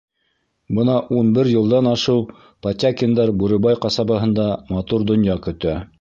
Бына ун бер йылдан ашыу Потякиндар Бүребай ҡасабаһында матур донъя көтә.